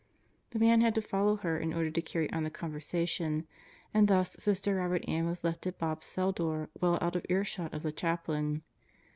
The man had to follow her in order to carry on the conversation, and thus Sister Robert Ann was left at Bob's cell door well out of earshot of the chaplain.